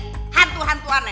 nih percaya sama ini nih